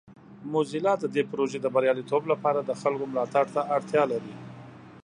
موزیلا د دې پروژې د بریالیتوب لپاره د خلکو ملاتړ ته اړتیا لري.